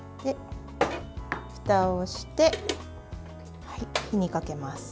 ふたをして火にかけます。